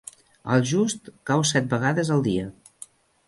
El just cau set vegades al dia.